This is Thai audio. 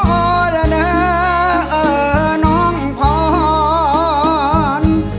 โอ้โอ้โดนาเอ่อน้องพร